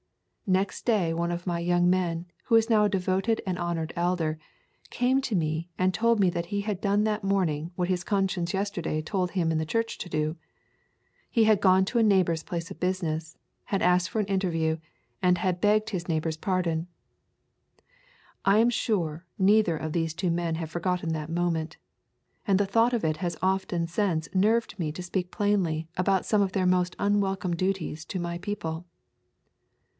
Next day one of my young men, who is now a devoted and honoured elder, came to me and told me that he had done that morning what his conscience yesterday told him in the church to do. He had gone to a neighbour's place of business, had asked for an interview, and had begged his neighbour's pardon. I am sure neither of those two men have forgotten that moment, and the thought of it has often since nerved me to speak plainly about some of their most unwelcome duties to my people.